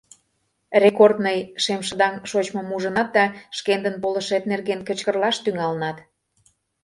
Рекордный шемшыдаҥ шочмым ужынат да шкендын полышет нерген кычкырлаш тӱҥалынат.